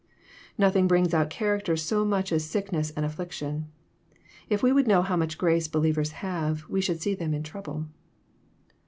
Nothing brings out character so much as sickness and affliction. If we would know how much grace believers have, we should see them in trouble.